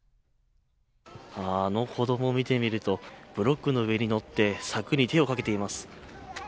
あの子どもを見てみるとブロックの上に乗って柵に手を掛けています。